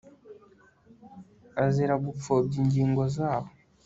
azira gupfobya ingingo zabo